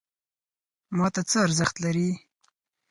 ماته څه ارزښت لري؟